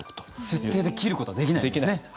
設定で切ることはできないんですね。